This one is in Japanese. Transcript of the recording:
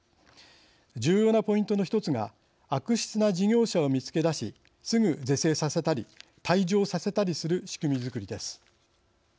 重要なポイントの１つが悪質な事業者を見つけだしすぐ是正させたり退場させたりする仕組みづくりです。